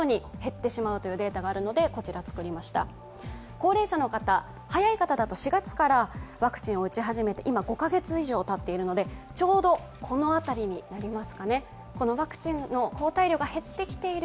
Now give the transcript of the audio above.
高齢者の方、早い方だと４月からワクチンを打ち始めて今、５カ月以上たつのでちょうどこの辺りになりますかね、ワクチンの抗体量が減ってきている